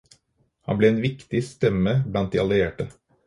Han ble en viktig stemme blant de allierte.